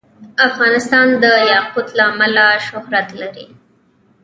افغانستان د یاقوت له امله شهرت لري.